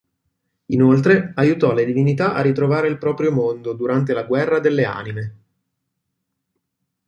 Inoltre, aiutò le divinità a ritrovare il proprio mondo durante la "Guerra delle Anime".